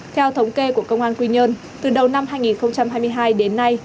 theo thống kê của công an quy nhơn từ đầu năm hai nghìn hai mươi hai đến nay